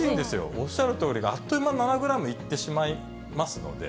おっしゃるとおり、あっという間に７グラムいってしまいますので。